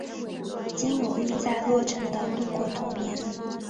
金永玉在洛城的度过童年。